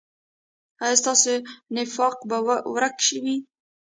ایا ستاسو نفاق به ورک وي؟